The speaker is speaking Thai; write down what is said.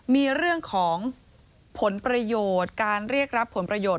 มีเรื่องของผลประโยชน์การเรียกรับผลประโยชน